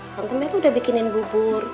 tante mely udah bikinin bubur